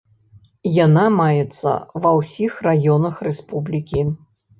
Яна маецца ва ўсіх раёнах рэспублікі.